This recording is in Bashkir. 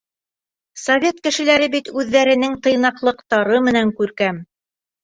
Совет кешеләре бит үҙҙәренең тыйнаҡлыҡтары менән күркәм.